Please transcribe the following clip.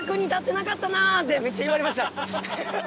めっちゃ言われました。